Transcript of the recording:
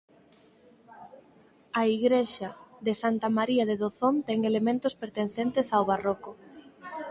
A igrexa de Santa María de Dozón ten elementos pertencentes ao barroco.